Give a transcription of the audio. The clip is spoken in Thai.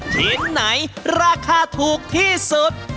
ชิ้นไหนราคาถูกที่สุด